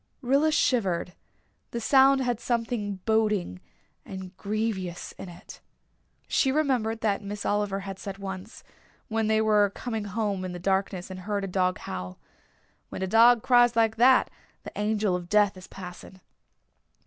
Rilla shivered; the sound had something boding and grievous in it. She remembered that Miss Oliver said once, when they were coming home in the darkness and heard a dog howl, "When a dog cries like that the Angel of Death is passing."